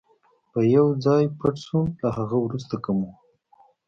به یو ځای پټ شو، له هغه وروسته که مو.